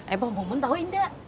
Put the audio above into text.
eh poh poh mun tahu nggak